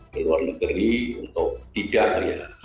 ke luar negeri untuk tidak ya